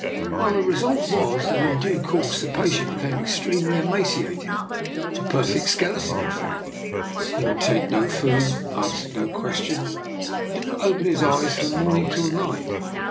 " Well, the result was that in due course the patient became extremely emaciated — a perfect skeleton, in fact. He would take no food, answered no questions, and did not Dk. NIKOLA'S EXPERIMENT. 47 open his eyes from morning till night.